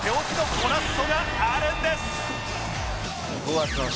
「ゴラッソ」